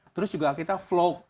terus juga kita flow